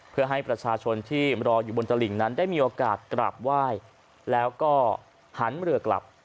เพื่อให้ประชาชนที่รออยู่บนตลิงนั้นได้มีโอกาสกราบไหว้แล้วก็หันเรือกลับ